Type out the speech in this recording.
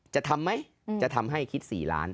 จะทำไหมจะทำให้คิด๔ล้าน